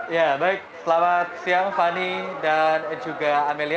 ya baik selamat siang fani dan juga amelia